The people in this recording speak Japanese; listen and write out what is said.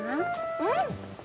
うん！